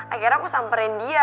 akhirnya aku samperin dia